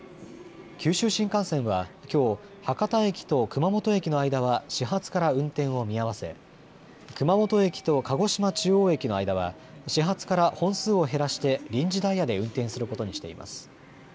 九州新幹線はきょう、博多駅と熊本駅の間は始発から運転を見合わせ、熊本駅と鹿児島中央駅の間は始発から本数を減らして臨時ダイヤで運転することにしています。